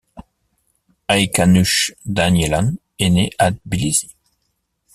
Haykanush Danielyan est née à Tbilissi.